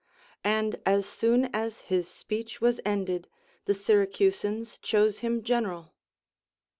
And as soon as his speech was ended, the Syracusans chose him general.